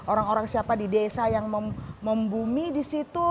orang orang siapa di desa yang membumi di situ